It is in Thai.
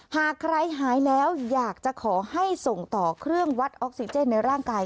หากใครหายแล้วอยากจะขอให้ส่งต่อเครื่องวัดออกซิเจนในร่างกาย